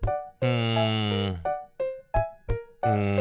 うん。